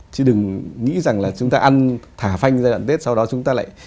chứ đừng nghĩ rằng là chúng ta ăn thả phanh giai đoạn tết sau đó chúng ta lại